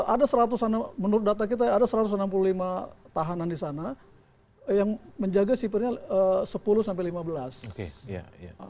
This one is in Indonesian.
ada seratus menurut data kita ada satu ratus enam puluh lima tahanan di sana yang menjaga sipirnya sepuluh sampai lima belas